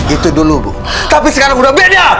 itu dulu bu tapi sekarang udah beda